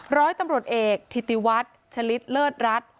ร้อยตำรวจเอกธิติวัฒน์ชะลิดเลิศรัฐ